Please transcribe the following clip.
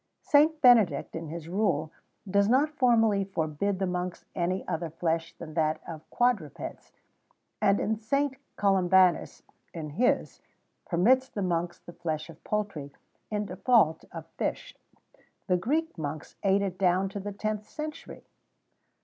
[XVII 4] St. Benedict, in his rule, does not formally forbid the monks any other flesh than that of quadrupeds; and St. Columbanus, in his, permits the monks the flesh of poultry, in default of fish. The Greek monks ate it down to the 10th century.